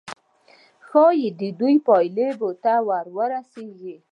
ښايي دې پايلې ته ورسيږئ.